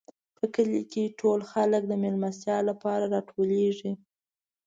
په کلي کې ټول خلک د مېلمستیا لپاره راټولېږي.